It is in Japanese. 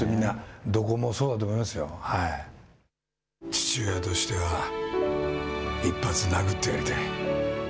父親としては、一発殴ってやりたい。